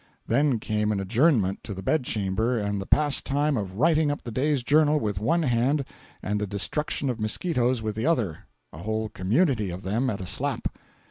Then came an adjournment to the bed chamber and the pastime of writing up the day's journal with one hand and the destruction of mosquitoes with the other—a whole community of them at a slap.